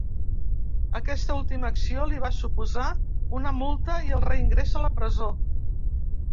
Aquesta última acció li va suposar una multa i el reingrés a la presó.